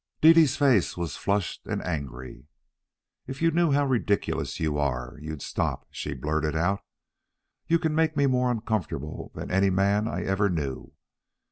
Dede's face was flushed and angry. "If you knew how ridiculous you are, you'd stop," she blurted out. "You can make me more uncomfortable than any man I ever knew.